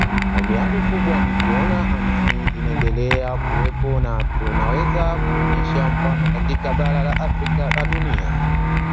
hamu yangu kubwa ni kuona amani inaendelea kuwepo na tunaweza kuonyesha mfano katika bara la Afrika na dunia